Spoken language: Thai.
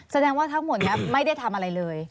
แสดงว่าทั้งหมดนี้ไม่ได้ทำอะไรเลย